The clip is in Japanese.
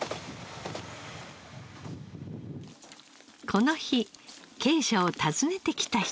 この日鶏舎を訪ねてきた人が。